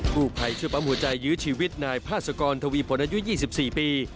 ผู้ภัยช่วยปั๊มหัวใจยื้อชีวิตนายพาสกรทวีผลอายุ๒๔ปี